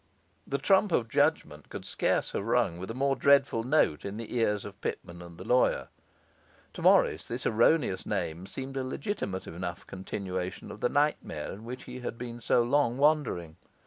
The trump of judgement could scarce have rung with a more dreadful note in the ears of Pitman and the lawyer. To Morris this erroneous name seemed a legitimate enough continuation of the nightmare in which he had so long been wandering.